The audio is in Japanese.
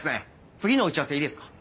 次の打ち合わせいいですか？